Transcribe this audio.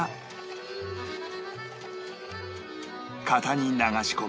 型に流し込む